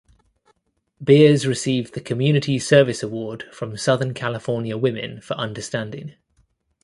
Beers received the Community Service Award from Southern California Women for Understanding.